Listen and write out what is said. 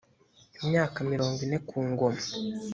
imyaka mirongo ine ku ngoma